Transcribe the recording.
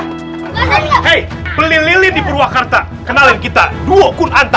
hei beli lilin di purwakarta kenalin kita duo kun anta